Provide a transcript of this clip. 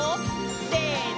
せの！